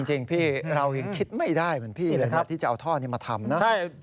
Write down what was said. จริงพี่เรายังคิดไม่ได้เหมือนพี่เลยนะที่จะเอาท่อนี้มาทำนะ